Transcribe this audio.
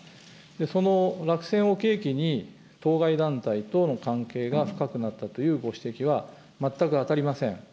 その落選を契機に、当該団体との関係が深くなったというご指摘は全く当たりません。